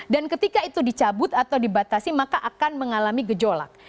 dan ketika itu dicabut atau dibatasi maka akan mengalami gejolak